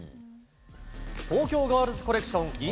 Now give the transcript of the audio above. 東京ガールズコレクションｉｎ